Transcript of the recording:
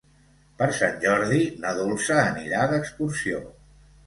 Per Sant Jordi na Dolça anirà d'excursió.